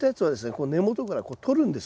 こう根元から取るんです。